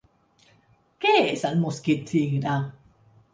Què és el mosquit tigre?